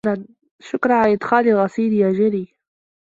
شكرا على آدخال الغسيل يا جيري.